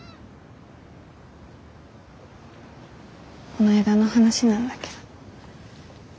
こないだの話なんだけど。